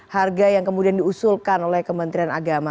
harga yang kemudian diusulkan oleh kementerian agama